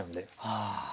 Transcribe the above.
ああ。